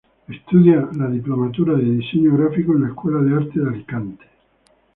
Estudia la diplomatura de Diseño Gráfico en la escuela de Arte de Alicante.